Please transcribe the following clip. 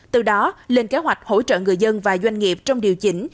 từ đó lên kế hoạch hỗ trợ người dân và doanh nghiệp trong điều chỉnh